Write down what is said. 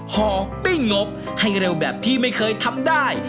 ห่อปิ้งงบให้เร็วแบบที่ไม่เคยทำได้